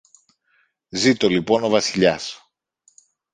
Ζήτω λοιπόν ο Βασιλιάς!